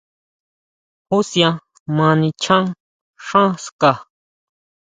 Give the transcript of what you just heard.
¿Jusian ma nichán xán ska?